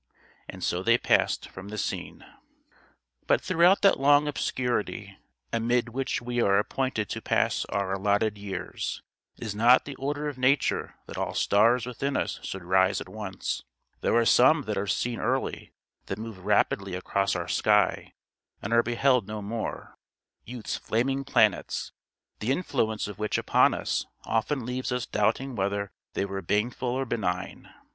And so they passed from the scene. But throughout that long obscurity amid which we are appointed to pass our allotted years, it is not the order of nature that all stars within us should rise at once. There are some that are seen early, that move rapidly across our sky, and are beheld no more youth's flaming planets, the influence of which upon us often leaves us doubting whether they were baneful or benign.